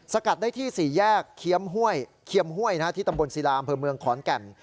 สกัดได้ที่๔แยกเคียมห้วยที่ตำบลศิลาอำเผยเมืองขอนแก่น